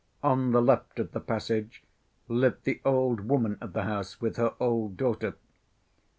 On the left of the passage lived the old woman of the house with her old daughter.